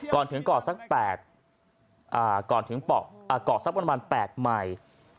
ก่อนถึงเกาะสักประมาณ๘ใหม่